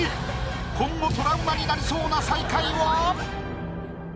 今後トラウマになりそうな最下位は？